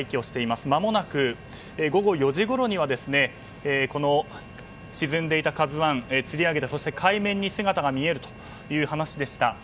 まもなく、午後４時ごろにはこの沈んでいた「ＫＡＺＵ１」つり上げてそして海面に姿が見えるという話でした。